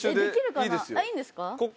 いいんですか？